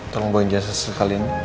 tolong gue jasa sekali ini